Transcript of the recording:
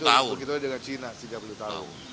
begitu dengan cina tiga puluh tahun